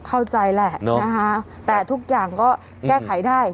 เข้าใจแหละนะคะแต่ทุกอย่างก็แก้ไขได้